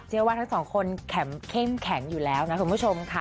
ว่าทั้งสองคนแข็งเข้มแข็งอยู่แล้วนะคุณผู้ชมค่ะ